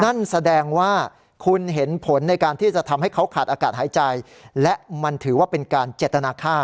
นั่นแสดงว่าคุณเห็นผลในการที่จะทำให้เขาขาดอากาศหายใจและมันถือว่าเป็นการเจตนาค่า